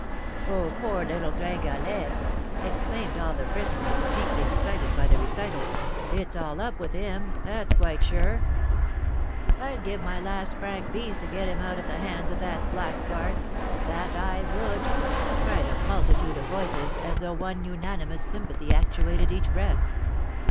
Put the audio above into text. "Oh, poor little Gringalet!" exclaimed all the prisoners, deeply excited by the recital, "it's all up with him, that's quite sure." "I'd give my last franc piece to get him out of the hands of that blackguard that I would!" cried a multitude of voices, as though one unanimous sympathy actuated each breast.